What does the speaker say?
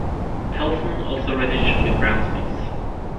Telson also reddish with brown spots.